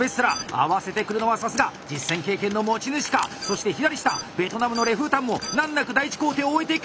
合わせてくるのはさすが実践経験の持ち主かそして左下ベトナムのレ・フウ・タンも難なく第１工程を終えていく！